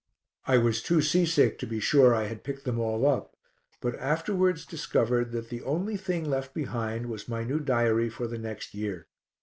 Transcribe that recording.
I was too sea sick to be sure I had picked them all up, but afterwards discovered that the only thing left behind was my new diary for the next year.